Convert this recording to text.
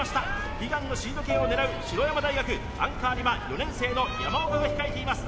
悲願のシード権を狙う白山大学アンカーには４年生の山岡が控えています